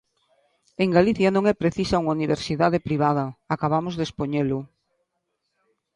En Galicia non é precisa unha universidade privada, acabamos de expoñelo.